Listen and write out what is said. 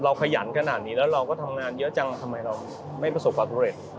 ขยันขนาดนี้แล้วเราก็ทำงานเยอะจังทำไมเราไม่ประสบความสำเร็จ